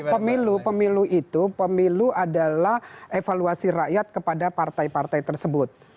pemilu pemilu itu pemilu adalah evaluasi rakyat kepada partai partai tersebut